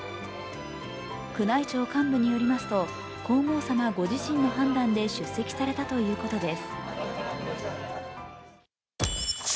宮内庁幹部によりますと皇后さまご自身の判断で出席されたということです。